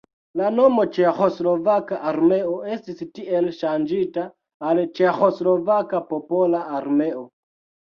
La nomo Ĉeĥoslovaka armeo estis tiel ŝanĝita al Ĉeĥoslovaka popola armeo.